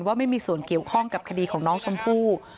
ว่าไม่มีส่วนเกี่ยวข้องกับคดีของน้องชมพู่